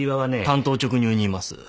単刀直入に言います。